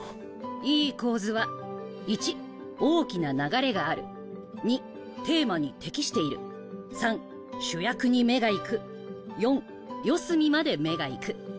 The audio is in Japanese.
いい構図は１大きな流れがある２テーマに適している３主役に目が行く４四隅まで目が行く。